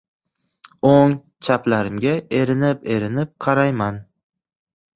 O‘ng-chaplarimga erinib- erinib qarayman.